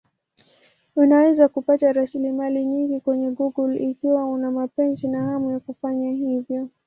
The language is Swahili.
Unaweza kupata rasilimali nyingi kwenye Google ikiwa una mapenzi na hamu ya kufanya hivyo.